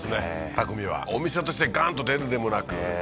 匠はお店としてガンと出るでもなくええ